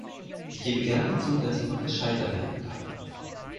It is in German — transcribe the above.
Ich gebe gerne zu, dass ich noch gescheiter werden kann.